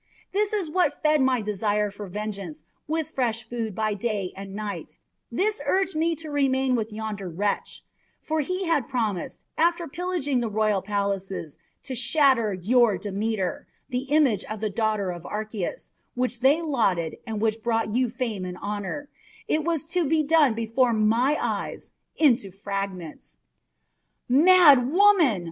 This is what fed my desire for vengeance with fresh food by day and night; this urged me to remain with yonder wretch; for he had promised, after pillaging the royal palaces, to shatter your Demeter, the image of the daughter of Archias, which they lauded and which brought you fame and honour it was to be done before my eyes into fragments." "Mad woman!"